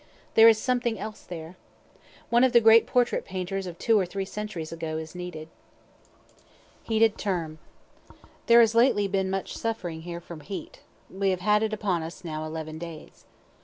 There is something else there. One of the great portrait painters of two or three centuries ago is needed. HEATED TERM There has lately been much suffering here from heat; we have had it upon us now eleven days.